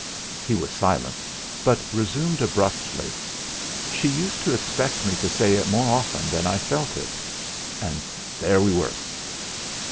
He was silent, but resumed abruptly: "She used to expect me to say it more often than I felt it, and there we were."